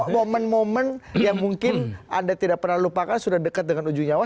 momen momen yang mungkin anda tidak pernah lupakan sudah dekat dengan ujung nyawa